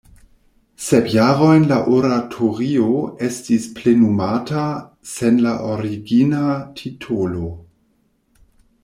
Sep jarojn la oratorio estis plenumata sen la origina titolo.